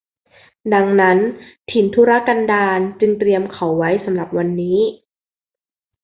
ดังนั้นถิ่นทุรกันดารจึงเตรียมเขาไว้สำหรับวันนี้